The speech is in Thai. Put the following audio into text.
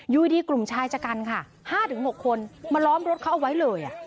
อยู่ดีกลุ่มชายชะกันค่ะ๕๖คนมาล้อมรถเขาเอาไว้เลย